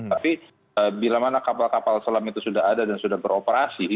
tapi bila mana kapal kapal selam itu sudah ada dan sudah beroperasi